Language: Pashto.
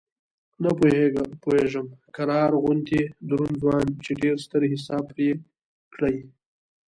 نه پوهېږم قرار غوندې دروند ځوان چې ډېر ستر حساب پرې کړی.